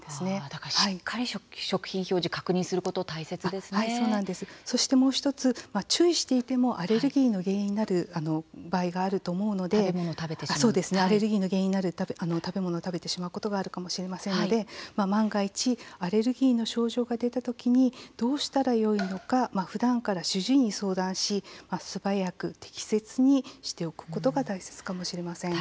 だからしっかり食品表示、確認することそしてもう１つ注意していてもアレルギーの原因になる場合があると思うのでアレルギーの原因になる食べ物を食べてしまうことがあるかもしれませんので万が一アレルギーの症状が出たときにどうしたらよいのかふだんから、主治医に相談し素早く適切にしておくことが大切かもしれません。